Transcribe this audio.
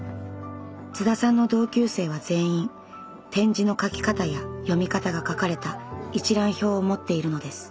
津田さんの同級生は全員点字の書き方や読み方が書かれた一覧表を持っているのです。